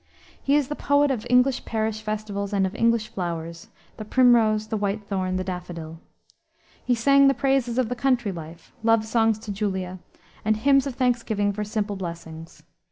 He is the poet of English parish festivals and of English flowers, the primrose, the whitethorn, the daffodil. He sang the praises of the country life, love songs to "Julia," and hymns of thanksgiving for simple blessings.